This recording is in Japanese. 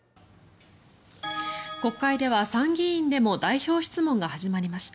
国会では参議院でも代表質問が始まりました。